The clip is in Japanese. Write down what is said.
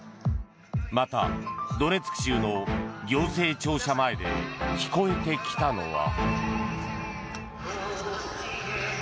また、ドネツク州の行政庁舎前で聞こえてきたのは。